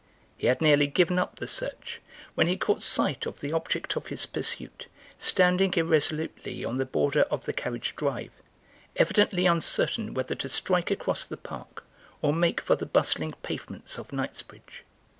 He had nearly given up the search when he caught sight of the object of his pursuit standing irresolutely on the border of the carriage drive, evidently uncertain whether to strike across the Park or make for the bustling pavements of Knightsbridge.